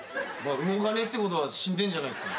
動かねえってことは死んでんじゃないっすかね。